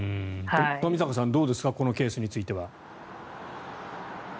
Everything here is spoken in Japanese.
冨坂さん、どうですかこのケースについては。